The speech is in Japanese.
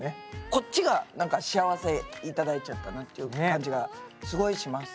こっちがなんか幸せ頂いちゃったなっていう感じがすごいします。